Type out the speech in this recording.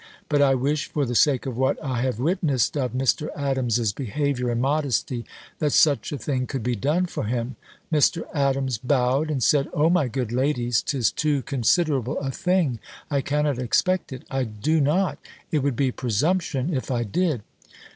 But I wish, for the sake of what I have witnessed of Mr. Adams's behaviour and modesty, that such a thing could be done for him." Mr. Adams bowed, and said, "O my good ladies! 'tis too considerable a thing: I cannot expect it I do not it would be presumption if I did."